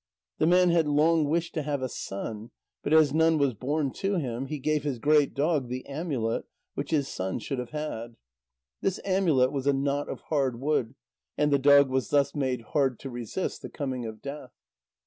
The man had long wished to have a son, but as none was born to him, he gave his great dog the amulet which his son should have had. This amulet was a knot of hard wood, and the dog was thus made hard to resist the coming of death.